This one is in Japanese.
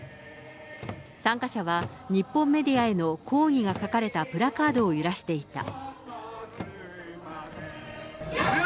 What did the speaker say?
参加者は日本メディアへの抗議が書かれたプラカードを揺らしていた。